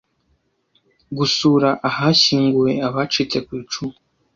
gusura ahashyinguwe abacitse ku icumu